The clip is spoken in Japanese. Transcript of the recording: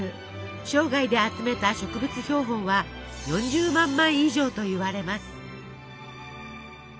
生涯で集めた植物標本は４０万枚以上といわれます。